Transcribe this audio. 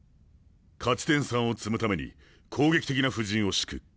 勝ち点３を積むために攻撃的な布陣をしく。